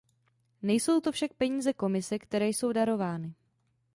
Nejsou to však peníze Komise, které jsou darovány.